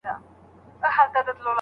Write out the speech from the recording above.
اصلي ارزښت به نه وای معلوم.